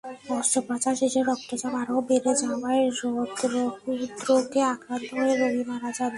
অস্ত্রোপচার শেষে রক্তচাপ আরও বেড়ে যাওয়ায় হৃদ্রোগে আক্রান্ত হয়ে রোগী মারা যান।